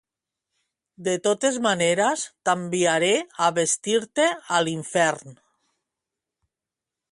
De totes maneres t'enviaré a vestir-te a l'infern.